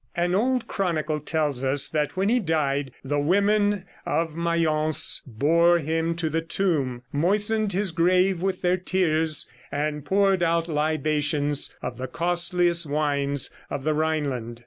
An old chronicle tells us that when he died the women of Mayence bore him to the tomb, moistened his grave with their tears, and poured out libations of the costliest wines of the Rhineland.